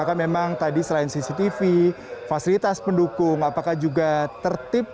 apakah memang tadi selain cctv fasilitas pendukung apakah juga tertib